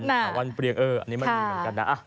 แต่วันเปรียงเอออันนี้มันมีเหมือนกันนะ